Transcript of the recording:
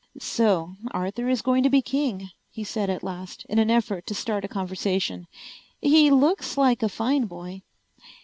"So Arthur is going to be king," he said at last, in an effort to start a conversation. "He looks like a fine boy."